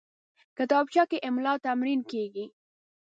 کتابچه کې املا تمرین کېږي